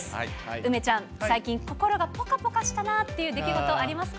梅ちゃん、最近、心がぽかぽかしたなという出来事、ありますか？